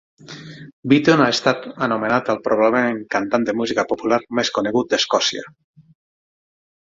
Beaton ha estat anomenat el, probablement, cantant de música popular més conegut de Escòcia.